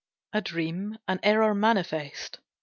A dream, an error manifest!